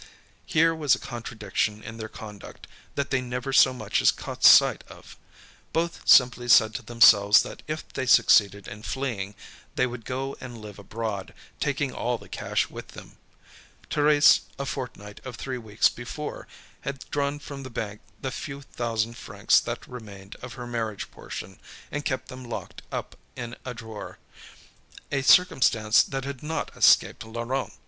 Here was a contradiction in their conduct that they never so much as caught sight of. Both simply said to themselves that if they succeeded in fleeing, they would go and live abroad, taking all the cash with them. Thérèse, a fortnight or three weeks before, had drawn from the bank the few thousand francs that remained of her marriage portion, and kept them locked up in a drawer a circumstance that had not escaped Laurent.